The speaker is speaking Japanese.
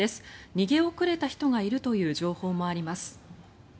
逃げ遅れた人がいるという情報もあります。